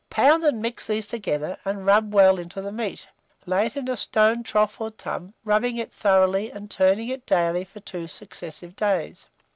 Pound and mix these together, and rub well into the meat; lay it in a stone trough or tub, rubbing it thoroughly, and turning it daily for 2 successive days.